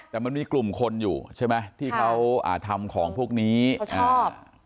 แต่มันมีกลุ่มคนอยู่ใช่ไหมที่เขาอ่าทำของพวกนี้อ่า